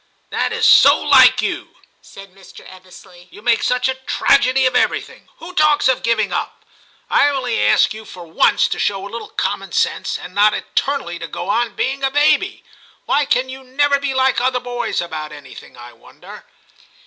' That is so like you,' said Mr. Ebbesley ;* you make such a tragedy of everything ; who talks of giving up ? I only ask you for 2l8 TIM CHAP. once to shoWa little common sense, and not eternally to go on being a baby. Why can you never be like other boys about anything, I wonder?'